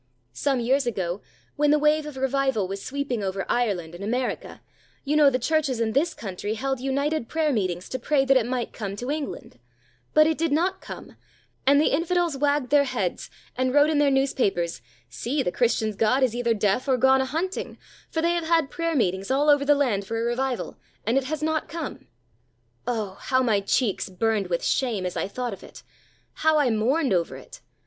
Some years ago, when the wave of revival was sweeping over Ireland and America, you know the Churches in this country held united prayer meetings to pray that it might come to England; but it did not come, and the infidels wagged their heads, and wrote in their newspapers: "See, the Christians' God is either deaf or gone a hunting, for they have had prayer meetings all over the land for a revival, and it has not come." Oh! how my cheeks burned with shame as I thought of it; how I mourned over it!